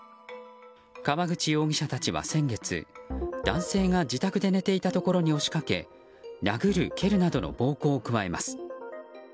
河口容疑者たちは先月男性が自宅で寝ていたところに押しかけ殴る蹴るなどの暴行を加えます。